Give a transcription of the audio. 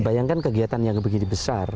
bayangkan kegiatan yang begitu besar